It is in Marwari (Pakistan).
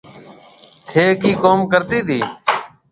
ٿي ڪِي ڪوم ڪرتي تي